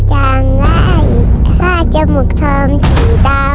อย่างไรอีก๕จมูกธอมสีดำ